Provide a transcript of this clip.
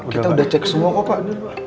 kita udah cek semua kok pak